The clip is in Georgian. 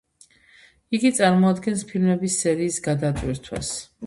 იგი წარმოადგენს ფილმების სერიის გადატვირთვას.